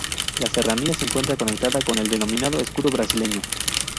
La serranía se encuentra conectada con el denominado escudo brasileño.